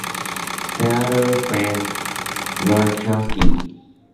Senator Frank Murkowski.